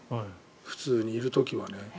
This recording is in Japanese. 普通にいる時はね。